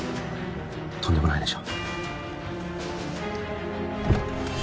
とんでもないでしょ？